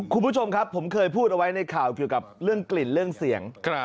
คุณผู้ชมครับผมเคยพูดเอาไว้ในข่าวเกี่ยวกับเรื่องกลิ่นเรื่องเสียง